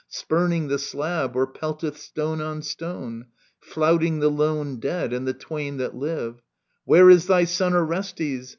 Spurning the slab, or pelteth stone on stone. Flouting the lone dead and the twain that live :" Where is thy son Orestes